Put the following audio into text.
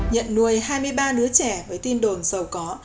nhận nuôi hai mươi ba đứa trẻ với tin đồn giàu có